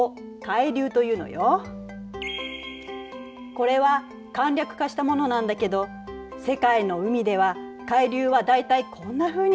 これは簡略化したものなんだけど世界の海では海流は大体こんなふうに流れているの。